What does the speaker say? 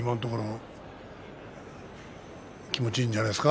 気持ちいいんじゃないですか。